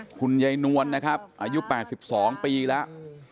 คุณยายนวลนะครับอายุ๘๒ปีแล้ว